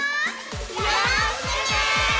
よろしくね！